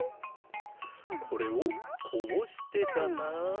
これをこうしてだな。